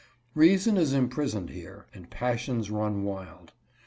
Reason is imprisoned here, and passions run wild.